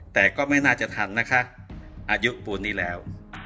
แต่ก็ไม่น่าจะทันนะคะอายุปูนนี้แล้ว